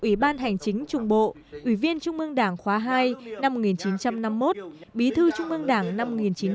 ủy ban hành chính trung bộ ủy viên trung mương đảng khóa hai năm một nghìn chín trăm năm mươi một bí thư trung mương đảng năm một nghìn chín trăm năm mươi năm